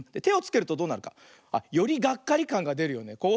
てをつけるとどうなるか。よりがっかりかんがでるよね。